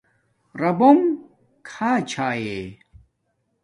ربونگ کھاچھاݺ